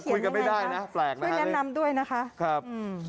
เออคุยกันไม่ได้นะแปลกนะครับครับอืมคุณแนะนำด้วยนะครับ